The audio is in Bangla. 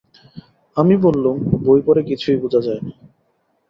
আমি বললুম, বই পড়ে কিছুই বোঝা যায় না।